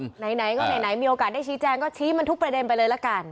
ไหนก็ไหนมีโอกาสได้ชี้แจงก็ชี้มันทุกประเด็นไปเลยละกัน